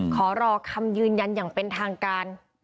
ขอรอคำยืนยันอย่างเป็นทางการ